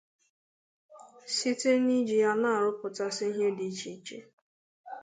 site n'iji ya na-arụpụtasị ihe dị iche iche